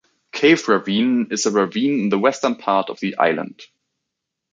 Cave Ravine is a ravine in the western part of the island.